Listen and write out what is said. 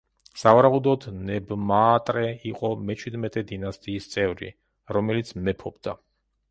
სავარაუდოდ ნებმაატრე იყო მეჩვიდმეტე დინასტიის წევრი, რომელიც მეფობდა.